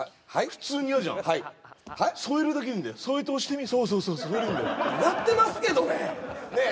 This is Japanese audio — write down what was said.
普通に嫌じゃんはい添えるだけでいいんだよ添えて押してみそうそうそうそれでいいんだよやってますけどねねえ